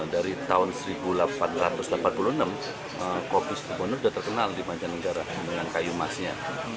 dari tahun seribu delapan ratus delapan puluh enam kopi situbondo sudah terkenal di mancanegara dengan kayu emasnya